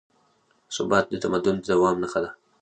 ثبات د تمدن د دوام نښه ده.